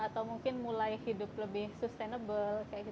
atau mungkin mulai hidup lebih sustainable